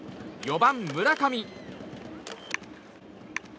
４番、村上！